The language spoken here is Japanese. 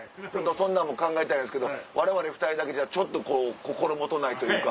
そんなんも考えたいんですけどわれわれ２人だけじゃ心もとないというか。